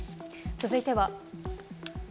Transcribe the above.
続いては。